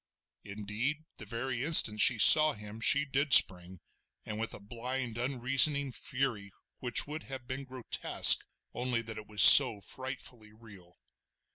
Indeed, the very instant she saw him she did spring, and with a blind unreasoning fury, which would have been grotesque, only that it was so frightfully real.